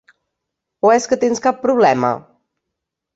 O és que tens cap problema?